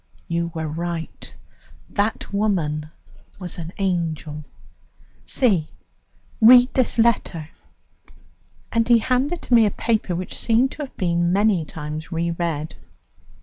"You were right. That woman was an angel. See, read this letter." And he handed to me a paper which seemed to have been many times reread.